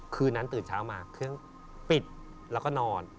คืนนั้นตื่นเช้ามาเครื่องปิดแล้วก็นอน